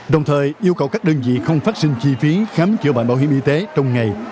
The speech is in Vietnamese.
đồng thời yêu cầu các đơn vị không phát sinh chi phí khám chữa bệnh bảo hiểm y tế trong ngày